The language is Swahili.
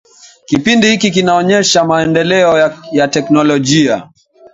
kipindi hiki kinaonyesha maendeleo ya teknolojia